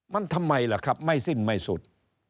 มันทำไมล่ะครับไม่สิ้นไม่สุด